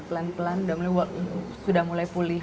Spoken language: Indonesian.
pelan pelan sudah mulai pulih